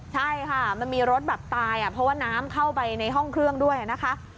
ใช่ค่ะมันมีรถแบบตายเพราะว่าน้ำเข้าไปในห้องเครื่องด้วยนะคะ